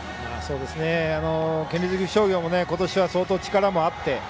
県立岐阜商業もことしは相当、力もあって。